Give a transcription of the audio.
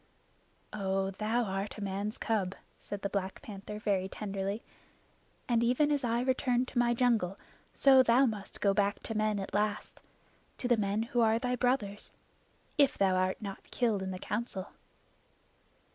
"Oh, thou art a man's cub," said the Black Panther very tenderly. "And even as I returned to my jungle, so thou must go back to men at last to the men who are thy brothers if thou art not killed in the Council."